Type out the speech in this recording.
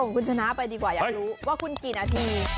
คุณชนะไปดีกว่าอยากรู้ว่าคุณกี่นาที